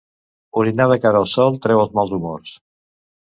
Orinar de cara al sol treu els mals humors.